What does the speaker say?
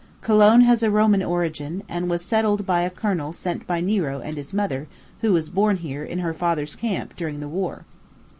Cologne has a Roman origin, and was settled by a colony sent by Nero and his mother, who was born here, in her father's camp, during the war.